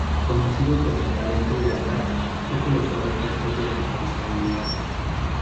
Conocido por su talento y lealtad, fue colocado en puestos de responsabilidad.